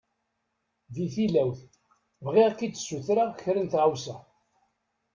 Di tilawt, bɣiɣ ad k-d-ssutreɣ kra n tɣawsa.